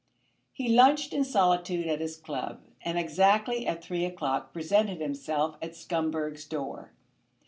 He lunched in solitude at his club, and exactly at three o'clock presented himself at Scumberg's door.